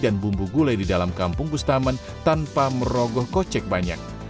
dan bumbu gulai di dalam kampung bustaman tanpa merogoh kocek banyak